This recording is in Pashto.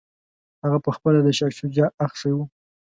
هغه پخپله د شاه شجاع اخښی وو.